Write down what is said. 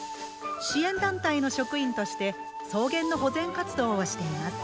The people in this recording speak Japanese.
支援団体の職員として草原の保全活動をしています。